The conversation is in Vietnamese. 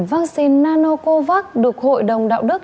vaccine nanocovax được hội đồng đạo đức